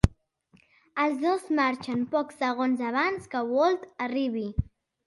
Els dos marxen pocs segons abans que Walt arribi.